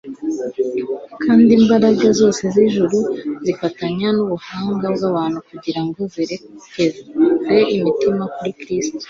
Kandi imbaraga zose z'ijuru zifatanya n'ubuhanga bw'abantu kugira ngo zerekeze imitima kuri Kristo.